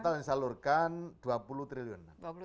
total yang disalurkan dua puluh triliun